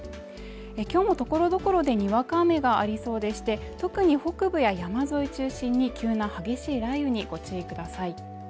今日も所々でにわか雨がありそうでして特に北部や山沿い中心に急な激しい雷雨にご注意ください